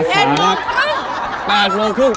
๑๐เท่นโมง